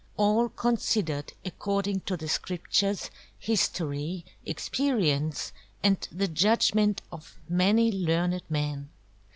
All Considered according to the Scriptures, History, Experience, and the Judgment of many Learned MEN.